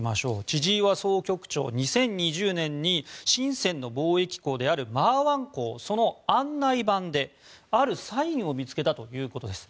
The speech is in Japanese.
千々岩総局長、２０２０年にシンセンの貿易港である媽湾港、その案内板であるサインを見つけたということです。